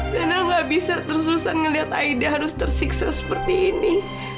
karena gak bisa terus terusan ngeliat aida harus tersiksa seperti ini